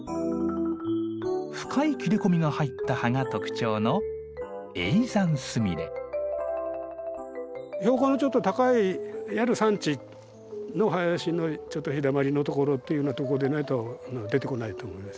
深い切れ込みが入った葉が特徴の標高のちょっと高いいわゆる山地の林のちょっと日だまりの所というようなとこでないと出てこないと思います。